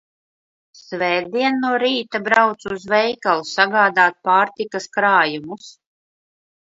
Svētdien no rīta braucu uz veikalu sagādāt pārtikas krājumus.